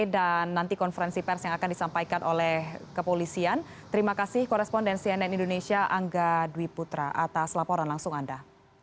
dan nanti konferensi pers yang akan disampaikan oleh kepolisian terima kasih koresponden cnn indonesia angga dwiputra atas laporan langsung anda